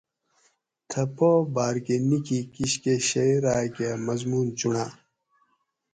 تھہ پا باۤر کہ نِکی کِشکہ شئ راۤکہ مضمون چُنڑاۤ